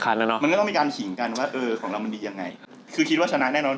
ก้อนแท่นออกมาเหมือนเราดูบอลนะ